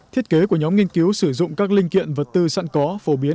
thiết kế của nhóm nghiên cứu sử dụng các linh kiện vật tư sẵn có phổ biến